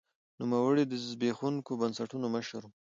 نوموړي د زبېښونکو بنسټونو مشر و.